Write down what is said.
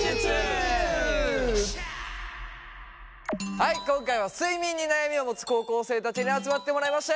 はい今回は睡眠に悩みを持つ高校生たちに集まってもらいました。